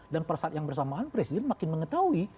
dan pada saat yang bersamaan presiden makin mengetahui